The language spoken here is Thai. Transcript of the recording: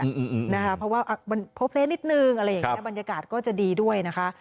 เฉพาะว่าพบเรียนนิดนึงบรรยากาศก็จะดีด้วยนะคะ